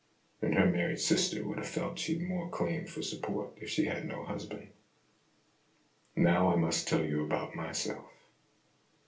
And her married sister would have felt she'd more claim for support if she had no husband." " Now I must tell you about myself."